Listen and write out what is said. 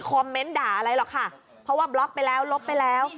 เมนต์ด่าอะไรหรอกค่ะเพราะว่าบล็อกไปแล้วลบไปแล้ว